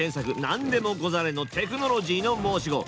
何でもござれのテクノロジーの申し子。